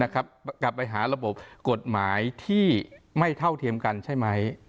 กลับไปหาระบบกฎหมายที่ไม่เท่าเทียมกันใช่ไหม